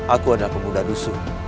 aku adalah pemuda dusu